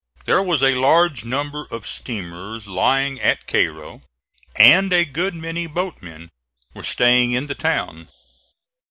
There was a large number of steamers lying at Cairo and a good many boatmen were staying in the town.